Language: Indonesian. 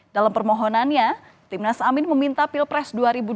dalam permohonannya timnas amin meminta pilpres dua ribu dua puluh